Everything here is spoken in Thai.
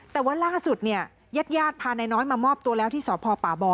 แต่ว่าล่าสุดยัดพานายน้อยมามอบตัวแล้วที่สอบพปบ